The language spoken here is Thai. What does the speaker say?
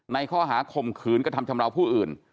ในข้อหาข่มขืนกระทำชำราวผู้อื่น